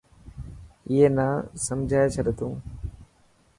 اي نا سمجهائي ڇڏ تون.